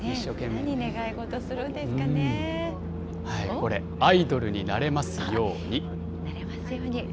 これ、アイドルになれますよなれますように。